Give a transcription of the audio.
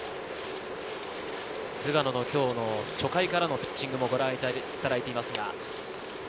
菅野の今日の初回からのピッチングもご覧いただいています。